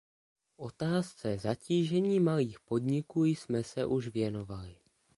Otázce zatížení malých podniků jsme se už věnovali.